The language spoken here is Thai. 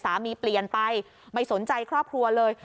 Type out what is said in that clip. เปลี่ยนไปไม่สนใจครอบครัวเลย